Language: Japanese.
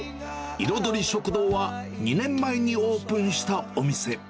いろどり食堂は２年前にオープンしたお店。